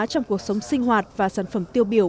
trong cuộc sống sinh hoạt và sản phẩm tiêu biểu